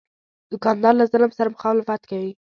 دوکاندار له ظلم سره مخالفت کوي.